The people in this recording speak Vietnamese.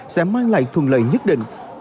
sẽ mang lại thuận lợi nhất định